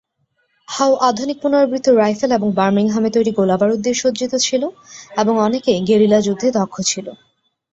হাও আধুনিক পুনরাবৃত্ত রাইফেল এবং বার্মিংহামে তৈরি গোলাবারুদ দিয়ে সজ্জিত ছিল এবং অনেকেই গেরিলা যুদ্ধে দক্ষ ছিল।